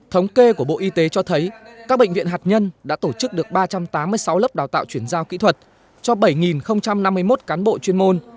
thống kê của bộ y tế cho thấy các bệnh viện hạt nhân đã tổ chức được ba trăm tám mươi sáu lớp đào tạo chuyển giao kỹ thuật cho bảy năm mươi một cán bộ chuyên môn